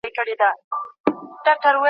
که اړتیا وي، درمل اخیستل ضروري دي.